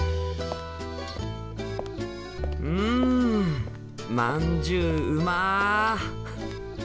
うんまんじゅううま！